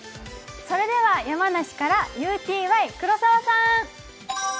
それでは山梨からＵＴＹ・黒澤さん。